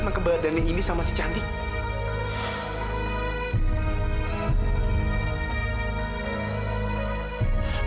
tentang keberadaan ini sama si cantik